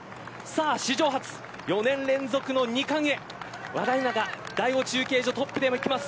史上初４年連続の２冠へ和田が第５中継所トップでいきます。